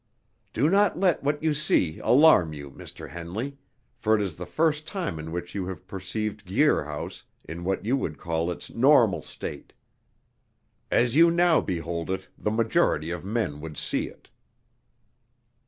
"Do not let what you see alarm you, Mr. Henley, for it is the first time in which you have perceived Guir House in what you would call its normal state. As you now behold it, the majority of men would see it."